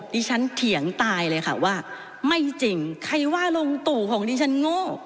เถียงตายเลยค่ะว่าไม่จริงใครว่าลุงตู่ของดิฉันโง่